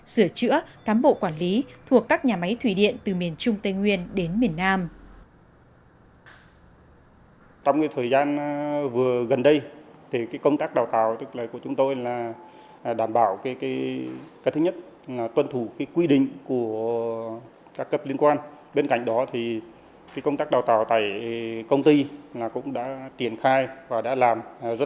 sửa chữa cám bộ quản lý thuộc các nhà máy thủy điện từ miền trung tây nguyên đến miền nam